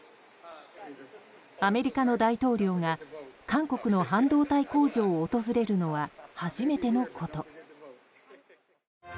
アメリカの大統領が韓国の半導体工場を訪れるのは初めてのこと。